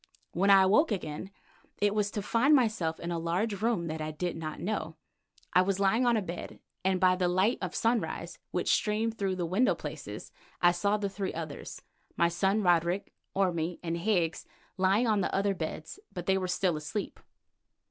When I awoke again it was to find myself in a large room that I did not know. I was lying on a bed, and by the light of sunrise which streamed through the window places I saw the three others, my son Roderick, Orme and Higgs lying on the other beds, but they were still asleep.